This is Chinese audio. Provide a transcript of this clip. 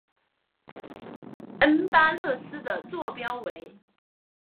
恩巴勒斯的座标为。